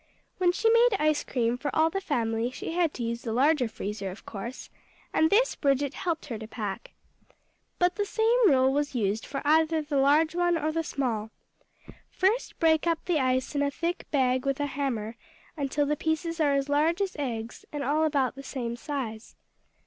When she made ice cream for all the family she had to use the larger freezer, of course, and this Bridget helped her pack. But the same rule was used for either the large one or the small. First break up the ice in a thick bag with a hammer until the pieces are as large as eggs, and all about the same size.